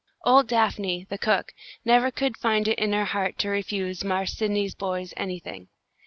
Old Daphne, the cook, never could find it in her heart to refuse "Marse Sydney's" boys anything.